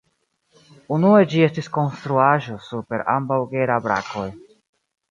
Unue ĝi estis konstruaĵo super ambaŭ Gera-brakoj.